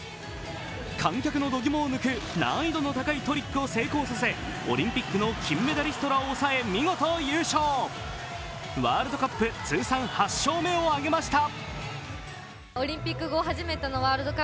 観客の度肝を抜く難易度の高いトリックを成功させオリンピックの金メダリストらを抑えワールドカップ通算８勝目を挙げました。